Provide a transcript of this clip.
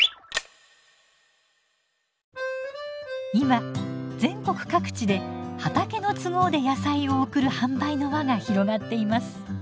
今全国各地で畑の都合で野菜を送る販売の輪が広がっています。